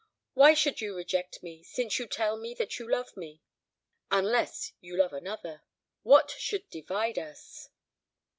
Why should you reject me, since you tell me that you love me; unless you love another? What should divide us?"